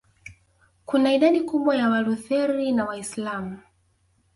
kuna idadi kubwa ya Walutheri na Waislamu